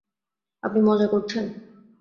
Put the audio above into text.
আপনি মজা করছেন।